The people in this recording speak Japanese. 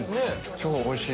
超おいしい！